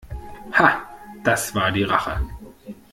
Ha, das war die Rache!